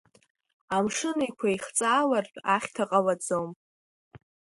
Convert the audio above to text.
Амшын еиқәа ихҵаалартә ахьҭа ҟалаӡом.